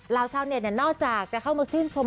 ราวชาวเน็ตเนี่ยนอกจากจะเข้ามาชื่นชม